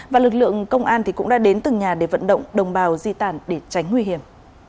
và lực lượng công an cũng đã đến từng nhà để vận động đồng bào di tản để tránh nguy hiểm